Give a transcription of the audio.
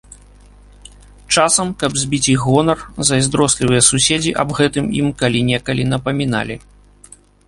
Часам, каб збіць іх гонар, зайздрослівыя суседзі аб гэтым ім калі-нікалі напаміналі.